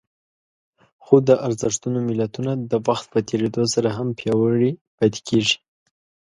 خو د ارزښتونو ملتونه د وخت په تېرېدو سره هم پياوړي پاتې کېږي.